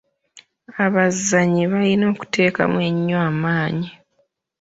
Abazannyi balina okuteekamu ennyo amaanyi.